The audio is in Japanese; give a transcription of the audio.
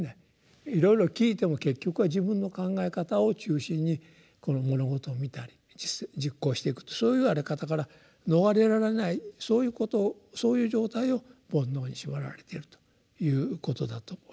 いろいろ聞いても結局は自分の考え方を中心に物事を見たり実行していくとそういうあり方から逃れられないそういう状態を「煩悩」に縛られているということだと私は思います。